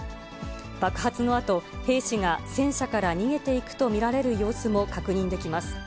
爆発のあと、兵士が戦車から逃げていくと見られる様子も確認できます。